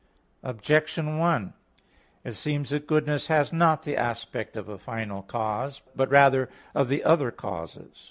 Objection 1: It seems that goodness has not the aspect of a final cause, but rather of the other causes.